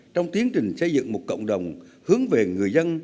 trong tiến trình xây dựng một cộng đồng hướng về người dân